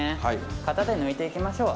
型で抜いていきましょう。